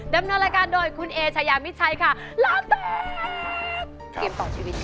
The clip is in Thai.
ดำเนินรายการโดยคุณเอชายามิดชัยค่ะลาเต้นเกมต่อชีวิต